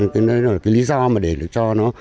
cái lý do mà để cho nó